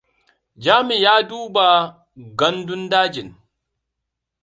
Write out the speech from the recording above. Jami ya duba gandun dajin.